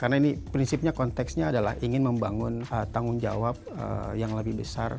karena ini prinsipnya konteksnya adalah ingin membangun tanggung jawab yang lebih besar